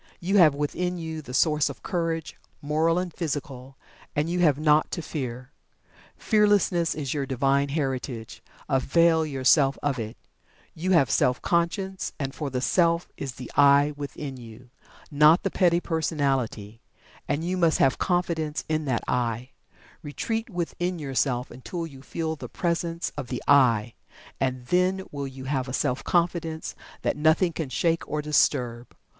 You have within you the Source of Courage, Moral and Physical, and you have naught to Fear Fearlessness is your Divine Heritage, avail yourself of it. You have Self Conscience, for the Self is the "I" within you, not the petty personality, and you must have confidence in that "I." Retreat within yourself until you feel the presence of the "I," and then will you have a Self Confidence that nothing can shake or disturb.